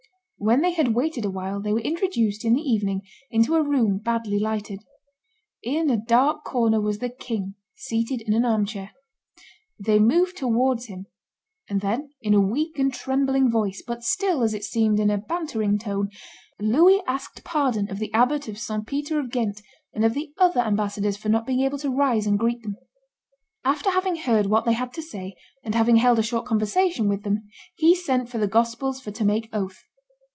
When they had waited a while, they were introduced, in the evening, into a room badly lighted. In a dark corner was the king, seated in an arm chair. They moved towards him; and then, in a weak and trembling voice, but still, as it seemed, in a bantering tone, Louis asked pardon of the Abbot of St. Peter of Ghent and of the other ambassadors for not being able to rise and greet them. After having heard what they had to say, and having held a short conversation with them, he sent for the Gospels for to make oath.